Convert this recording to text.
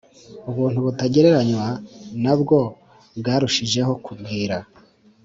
ubuntu butagereranywa na bwo bwarushijeho kugwira